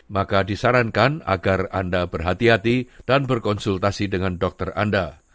maka disarankan agar anda berhati hati dan berkonsultasi dengan dokter anda